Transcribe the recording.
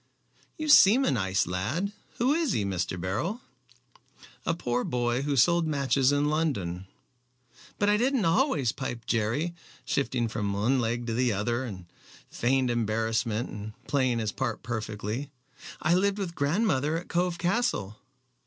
"You seem a nice lad. Who is he, Mr. Beryl?" "A poor boy who sold matches in London." "But I didn't always," piped Jerry, shifting from one leg to the other in feigned embarrassment, and playing his part perfectly. "I lived with grandmother at Cove Castle."